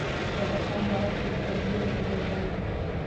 د بدخشان بارک ولسوالي یې راپېژندلې،